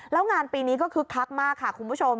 แล้วงานปีนี้ก็คึกคักมากค่ะคุณผู้ชม